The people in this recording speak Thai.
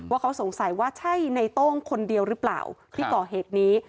ว่าเขาสงสัยว่าใช่ในโต้งคนเดียวหรือเปล่าที่ก่อเหตุนี้